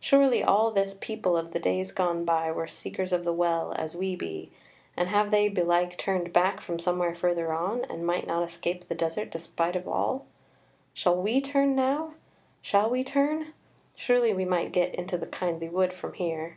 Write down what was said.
Surely all this people of the days gone by were Seekers of the Well as we be; and have they belike turned back from somewhere further on, and might not escape the desert despite of all? Shall we turn now: shall we turn? surely we might get into the kindly wood from here."